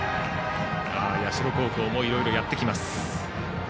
社高校もいろいろやってきます。